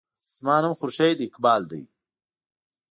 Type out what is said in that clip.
زما نوم خورشید اقبال دے.